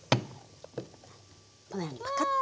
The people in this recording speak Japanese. このようにパカッと。